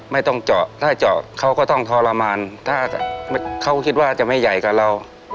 ไม่ต้องเจาะถ้าเจาะเขาก็ต้องทรมานถ้าเขาคิดว่าจะไม่ใหญ่กว่าเรา